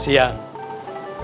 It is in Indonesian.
selamat siang pak